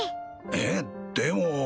えっでも